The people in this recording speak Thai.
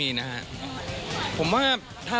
มันจำเป็นคุณบ้างไหม